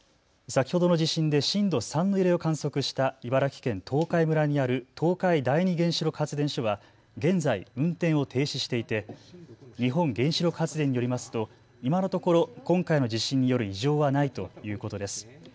先ほどの地震で震度３の揺れを観測した茨城県東海村にある東海第二原子力発電所は現在、運転を停止していて日本原子力発電によりますと今のところ今回の地震による異常はないということです。